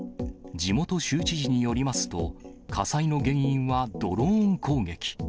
地元州知事によりますと、火災の原因はドローン攻撃。